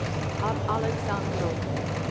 ab Alexandro, lib.